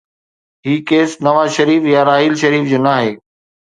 هي case Nawaz Sharif يا راحيل شريف جو ناهي.